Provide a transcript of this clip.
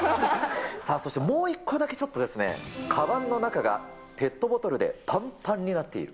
そしてもう１個だけ、ちょっとですね、かばんの中がペットボトルでぱんぱんになっている。